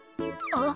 あっ。